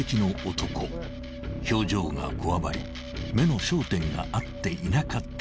［表情がこわばり目の焦点が合っていなかったのだという］